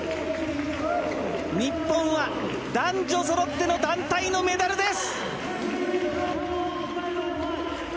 日本は男女そろっての団体のメダルです！